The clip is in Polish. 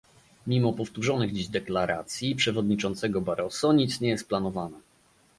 Mimo powtórzonych dziś deklaracji przewodniczącego Barroso nic nie jest planowane